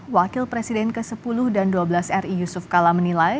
wakil presiden ke sepuluh dan ke dua belas ri yusuf kala menilai